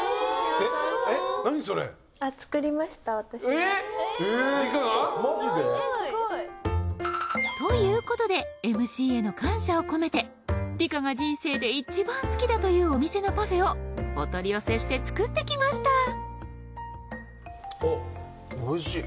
えっマジで？ということでＭＣへの感謝を込めて梨加が人生で１番好きだというお店のパフェをお取り寄せして作ってきましたあっ。